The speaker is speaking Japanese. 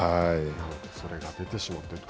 それが出てしまって。